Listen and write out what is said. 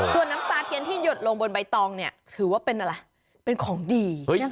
ส่วนน้ำตาเทียนที่หยดลงบนใบตองเนี่ยถือว่าเป็นอะไรเป็นของดี